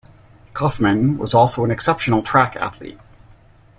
Kaufman was also an exceptional track athlete.